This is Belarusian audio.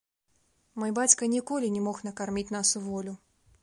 Мой бацька ніколі не мог накарміць нас уволю.